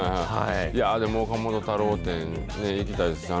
いや、でも岡本太郎展行きたいですね。